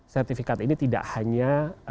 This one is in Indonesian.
sertifikat ini tidak hanya